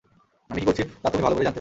আমি কি করছি তা তুমি ভালো করেই জানতে।